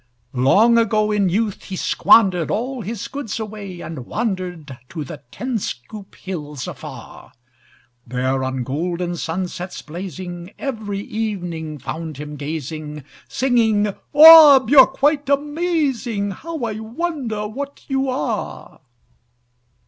Long ago, in youth, he squander'd All his goods away, and wander'd To the Tinskoop hills afar. There on golden sunsets blazing, Every evening found him gazing, Singing, 'Orb! you're quite amazing! How I wonder what you are!'